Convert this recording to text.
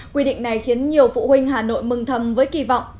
quy định này khiến nhiều phụ huynh hà nội mừng thầm với kỳ vọng